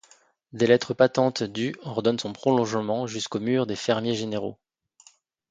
Des lettres patentes du ordonnent son prolongement jusqu’au mur des Fermiers généraux.